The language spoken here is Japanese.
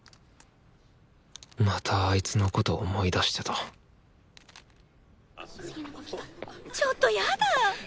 またあいつのこと思い出してたちょっとやだ！